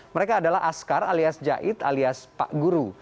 mereka adalah askar alias jait alias pak guru